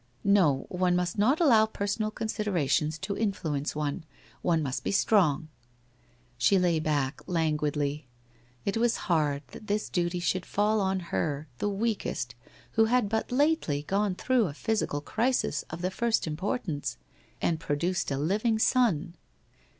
No, one must not allow personal considerations to influence one. One must be strong. She lay back languidly. It was hard that this duty should fall on her, the weakest, who had but lately gone through a physical crisis of the first importance, and pro duced a living son.